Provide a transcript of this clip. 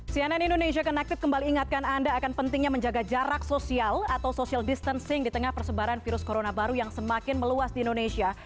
cnn indonesia connected kembali ingatkan anda akan pentingnya menjaga jarak sosial atau social distancing di tengah persebaran virus corona baru yang semakin meluas di indonesia